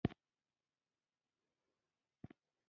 افغانستان د خپلو کوچیانو له امله شهرت لري.